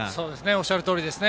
おっしゃるとおりです。